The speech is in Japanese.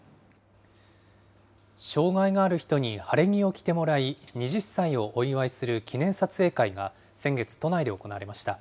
障害がある人に晴れ着を着てもらい、２０歳をお祝いする記念撮影会が先月、都内で行われました。